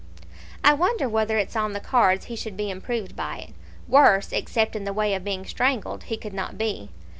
"I wonder whether it's on the cards he should be improved by it; worse, except in the way of being strangled, he could not be.